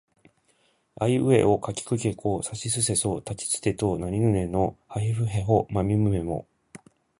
あいうえおかきくけこさしすせそたちつてとなにぬねのはひふへほまみむめも